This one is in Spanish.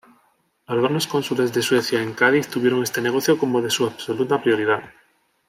Algunos cónsules de Suecia en Cádiz tuvieron este negocio como de su absoluta prioridad.